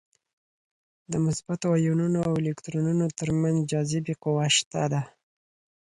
د مثبتو ایونونو او الکترونونو تر منځ جاذبې قوه شته ده.